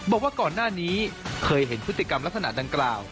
บอกว่าก่อนหน้านี้เคยเห็นพฤติกรรมลักษณะดังกล่าว